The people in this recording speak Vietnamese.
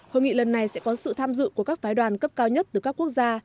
hội nghị lần này sẽ có sự tham dự của các phái đoàn cấp cao nhất từ các quốc gia